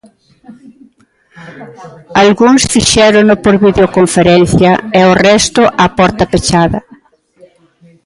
Algúns fixérono por videoconferencia e o resto a porta pechada.